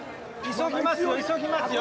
急ぎますよ急ぎますよ。